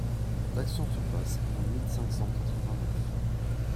L’action se passe en mille cinq cent quatre-vingt-neuf.